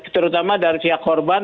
terutama dari pihak korban